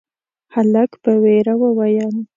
هلک په وېره وويل: